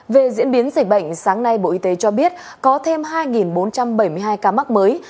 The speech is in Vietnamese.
về diễn biến dịch bệnh sáng nay bộ y tế cho biết có thêm hai bốn trăm bảy mươi hai ca mắc mới